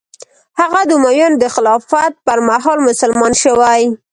هغه د امویانو د خلافت پر مهال مسلمان شوی.